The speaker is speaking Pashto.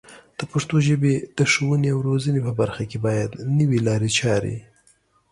د پښتو ژبې د ښوونې او روزنې په برخه کې باید نوې لارې چارې